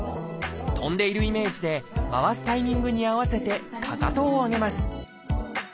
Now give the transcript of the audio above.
跳んでいるイメージで回すタイミングに合わせてかかとを上げます。